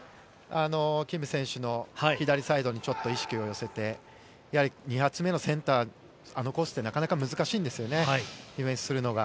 キム選手の左サイドに意識を寄せて２発目のセンター、コースってなかなか難しいんですよね、ディフェンスするのが。